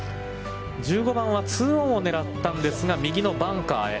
１５番はツーオンを狙ったんですが、右のバンカーへ。